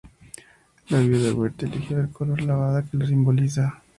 La viuda de Wright eligió el color lavanda que lo simboliza.